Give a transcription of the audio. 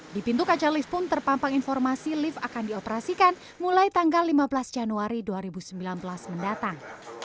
di pintu kaca lift pun terpampang informasi lift akan dioperasikan mulai tanggal lima belas januari dua ribu sembilan belas mendatang